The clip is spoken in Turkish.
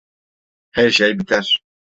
Her şey biter.